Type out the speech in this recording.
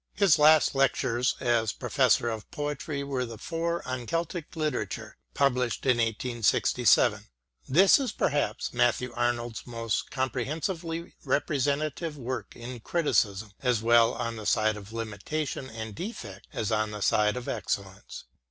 His last lectures as Professor of Poetry were the four on Celtic Literature, published in 1867; this is perhaps Matthew Arnold's most compre hensively representative work in criticism as well on the side of limitation and defect as on the side of excellence.